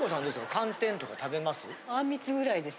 寒天とか食べます？